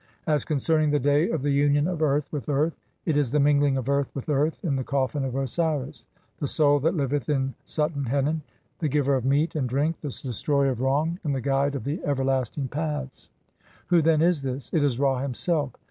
As concerning the "day of the union of earth with earth", it is the mingling of earth with earth in the coffin of Osiris, the Soul that liveth in Suten henen, the giver of meat and drink, the destroyer of wrong, and the guide of the ever lasting paths. Who then is this? It is Ra himself.